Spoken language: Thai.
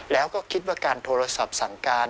แล้วก็คิดว่าการโทรศัพท์สั่งการ